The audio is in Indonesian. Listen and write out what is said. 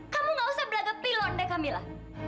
kamu gak usah berlagak pilon deh kamila